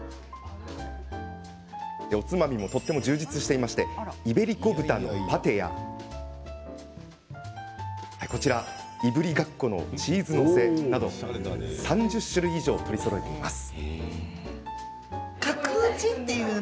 おつまみも充実していてイベリコ豚のパテやいぶりがっこのチーズ載せなど３０種類以上を取りそろえています。